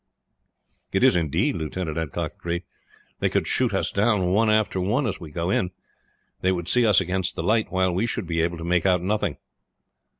"It is, indeed," Lieutenant Adcock agreed. "They could shoot us down one after one as we go in. They would see us against the light, while we should be able to make out nothing."